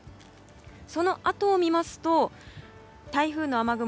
そのあとを見ますと台風の雨雲